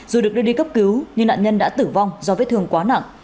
dù được đưa đi cấp cứu nhưng nạn nhân đã tử vong do vết thương quá nặng